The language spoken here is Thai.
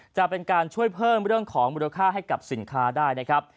จะเป็นการช่วยเพิ่มเรื่องของมูลค่าให้กับสินค้าได้นะครับ